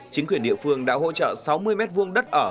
chính quyền địa phương đã hỗ trợ sáu mươi mét vuông đất ở